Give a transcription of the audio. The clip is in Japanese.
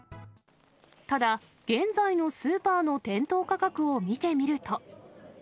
ただ、現在のスーパーの店頭価格を見てみると。